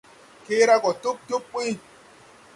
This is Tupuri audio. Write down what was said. Kee ra go tub tub buy.